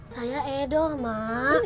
saya edoh mak